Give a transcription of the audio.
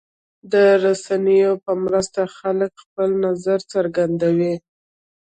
د رسنیو په مرسته خلک خپل نظر څرګندوي.